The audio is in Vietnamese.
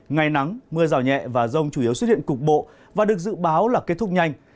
ngày nắng mưa rào nhẹ và rông chủ yếu xuất hiện cục bộ và được dự báo là kết thúc nhanh